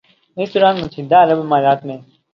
اس دوران متحدہ عرب امارات میں